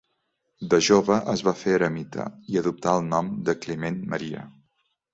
De jove es va fer eremita i adoptà el nom de Climent Maria.